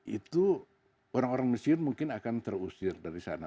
itu orang orang mesir mungkin akan terusir dari sana